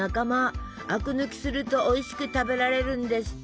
アク抜きするとおいしく食べられるんですって。